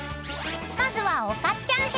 ［まずはおかっちゃん編］